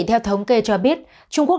theo thống kê cho biết trung quốc